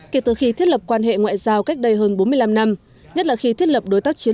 kể từ khi thiết lập quan hệ ngoại giao cách đây hơn bốn mươi năm năm nhất là khi thiết lập đối tác chiến